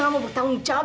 gak mau bertanggung jawab